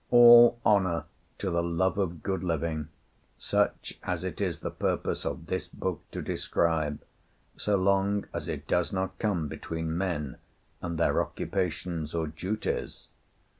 All honor to the love of good living, such as it is the purpose of this book to describe, so long as it does not come between men and their occupations or duties!